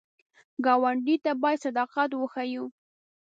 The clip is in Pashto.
ګاونډي ته باید صداقت وښیو